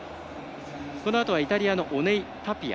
このあとはイタリアのオネイ・タピア。